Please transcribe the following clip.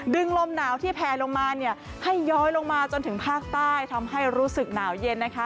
ลมหนาวที่แพลลงมาเนี่ยให้ย้อยลงมาจนถึงภาคใต้ทำให้รู้สึกหนาวเย็นนะคะ